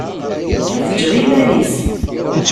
Ad t-ǧǧeɣ i yiman-is.